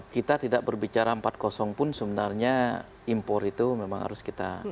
kita tidak berbicara empat pun sebenarnya impor itu memang harus kita